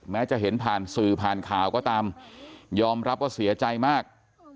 จะเห็นผ่านสื่อผ่านข่าวก็ตามยอมรับว่าเสียใจมาก